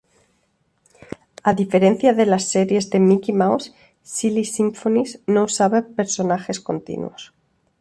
A diferencia de las series de "Mickey Mouse", "Silly Symphonies" no usaba personajes continuos.